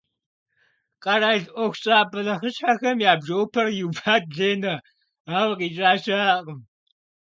Къэрал ӏуэхущӏапӏэ нэхъыщхьэхэм я бжэӏупэр иубат Ленэ, ауэ къикӏа щыӏэкъым.